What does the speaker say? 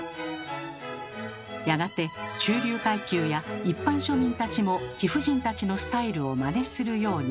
やがて中流階級や一般庶民たちも貴婦人たちのスタイルをまねするように。